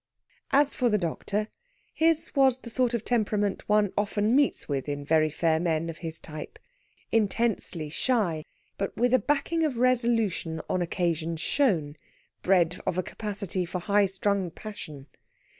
As for the doctor, his was the sort of temperament one often meets with in very fair men of his type intensely shy, but with a backing of resolution on occasion shown, bred of a capacity for high strung passion.